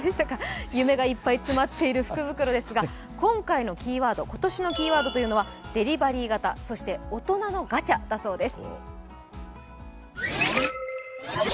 夢がいっぱい詰まっている福袋ですが今年のキーワードというのは、デリバリー型、そして大人のガチャだそうです。